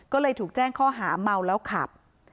ก็เลยถูกแจ้งข้อหาเมาแล้วขับ